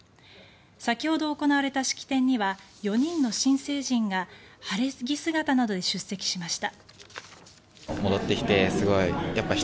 先ほど行われた式典には４人の新成人が晴れ着姿などで出席しました。